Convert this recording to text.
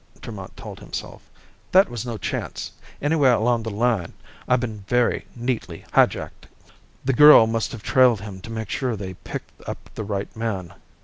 Tremont told himself. "That was no chance, anywhere along the line. I've been very neatly highjacked!" The girl must have trailed him to make sure they picked up the right man.